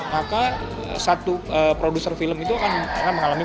maka satu produser film itu akan mengalami